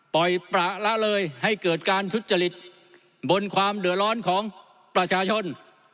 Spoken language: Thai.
ปล่อยประละเลยให้เกิดการทุจริตบนความเดือดร้อนของประชาชน